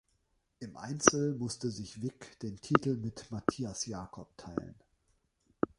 Im Einzel musste sich Wick den Titel mit Matthias Jacob teilen.